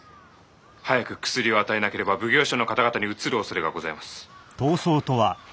早く薬を与えなければ奉行所の方々にうつるおそれがございます。